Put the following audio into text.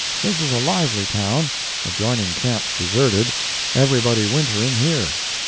This is a lively town; adjoining camps deserted; everybody wintering here...